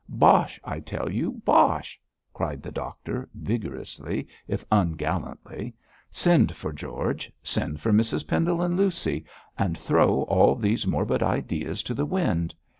Bosh! I tell you, bosh!' cried the doctor, vigorously if ungallantly. 'Send for George, send for Mrs Pendle and Lucy, and throw all these morbid ideas to the wind.